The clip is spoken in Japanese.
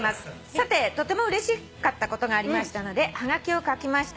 「さてとてもうれしかったことがありましたのではがきを書きました。